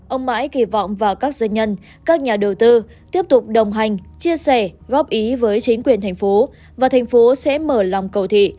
ông mãi kỳ vọng vào các doanh nhân các nhà đầu tư tiếp tục đồng hành chia sẻ góp ý với chính quyền thành phố và thành phố sẽ mở lòng cầu thị